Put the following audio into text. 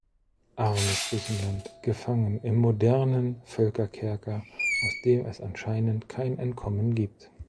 Armes Griechenland, gefangen im modernen Völkerkerker, aus dem es anscheinend kein Entkommen gibt!